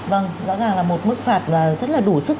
vâng rõ ràng là một mức phạt rất là đủ sức